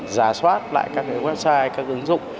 giả soát lại các website các ứng dụng